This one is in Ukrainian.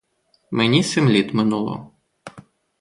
Мені сім літ минуло.